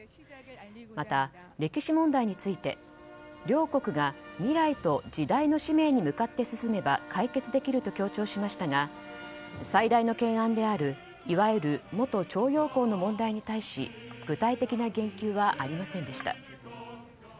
また歴史問題について両国が未来と時代の使命に向かって進めば解決できると強調しましたが最大の懸案であるいわゆる元徴用工の問題に対し具体的な言及はありませんでした。